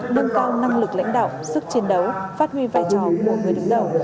nâng cao năng lực lãnh đạo sức chiến đấu phát huy vai trò của người đứng đầu